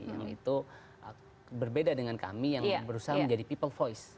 yang itu berbeda dengan kami yang berusaha menjadi people voice